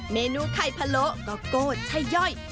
เมนูไข่พะโลก็โกดช่ายย่อย